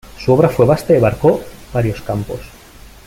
Su obra fue vasta y abarcó varios campos.